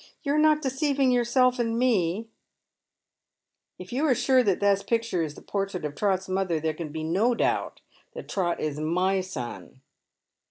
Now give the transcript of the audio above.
" You are not deceiving yourself and me ?"" If you are sure that this picture is the portrait of Trot's mother, there can be no doubt that Trot is my son."